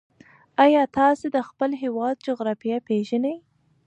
ایا تاسې د خپل هېواد جغرافیه پېژنئ؟